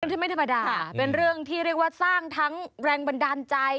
ที่ไม่ธรรมดาเป็นเรื่องที่เรียกว่าสร้างทั้งแรงบันดาลใจ